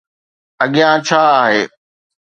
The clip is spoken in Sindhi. اڳيان ڇا آهي؟